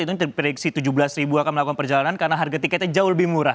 itu diprediksi tujuh belas ribu akan melakukan perjalanan karena harga tiketnya jauh lebih murah